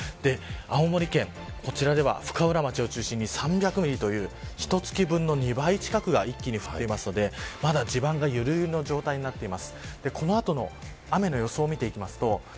青森県、こちらでは深浦町を中心に３００ミリという１カ月分の２倍近くの雨が一気に降っていますのでまだ、地盤が緩い状態になっています。